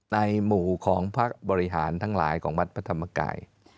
ในหมู่ของพักบริหารทั้งหลายของวัดพระธรรมกาย